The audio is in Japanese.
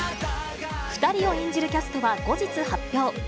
２人を演じるキャストは後日発表。